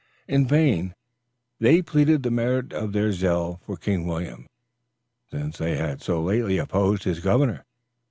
In vain they plead the merit of their zeal for King William, since they had so lately opposed his governor.